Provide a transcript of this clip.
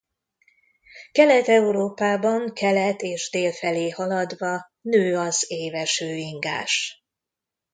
Kelet-Európában kelet és dél felé haladva nő az éves hőingás.